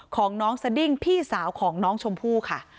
ของน้องสดิ้งพี่สาวของน้องชมพู่ค่ะ